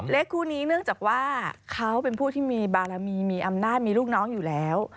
คู่นี้เนื่องจากว่าเขาเป็นผู้ที่มีบารมีมีอำนาจมีลูกน้องอยู่แล้ว